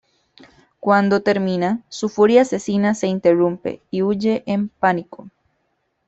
Cuando termina, su furia asesina se interrumpe y huye en pánico.